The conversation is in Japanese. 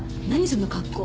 その格好。